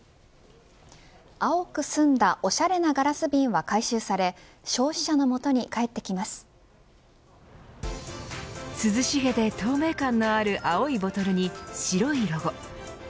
青く澄んだおしゃれなガラス瓶は回収され涼しげで透明感のある青いボトルに白いロゴ。